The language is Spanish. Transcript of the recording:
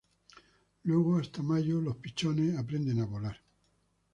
Luego, hasta mayo los pichones aprenden a volar.